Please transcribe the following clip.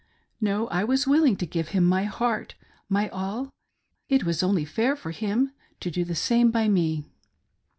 No ; I was willing to give him my heart, my all — it was only fair for him to do the same by me.